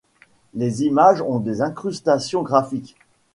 Les images ont des incrustations graphiques.